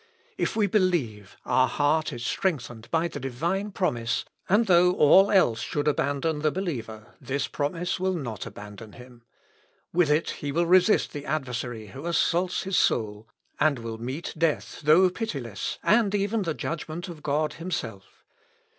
If we believe, our heart is strengthened by the divine promise, and though all else should abandon the believer, this promise will not abandon him. With it he will resist the adversary who assaults his soul, and will meet death though pitiless, and even the judgment of God himself.